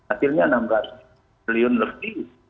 akhirnya enam ratus jutaan lebih